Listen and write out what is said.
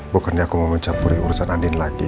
bukannya aku mau mencampuri urusan andin lagi